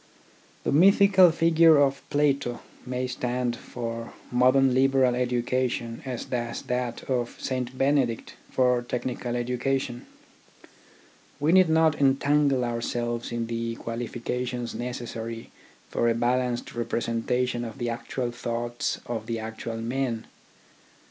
The mythical figure of Plato may stand for modern liberal education as does that of St. 34 THE ORGANISATION OF THOUGHT Benedict for technical education. We need not entangle ourselves in the qualifications necessary for a balanced representation of the actual thoughts of the actual men.